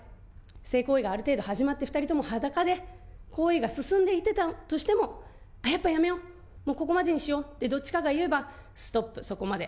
性行為がある程度始まって、２人とも裸で行為が進んでいってたとしても、やっぱりやめよう、ここまでにしようって、どっちかが言えば、ストップ、そこまで。